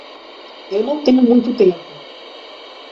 Eu não tenho muito tempo